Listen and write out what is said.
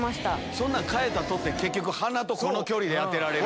そんなん変えたとて結局鼻とこの距離で当てられる。